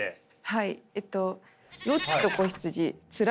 はい。